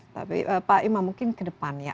tapi pak imam mungkin ke depannya